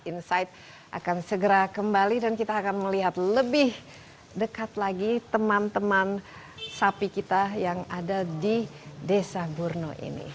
insight akan segera kembali dan kita akan melihat lebih dekat lagi teman teman sapi kita yang ada di desa burno ini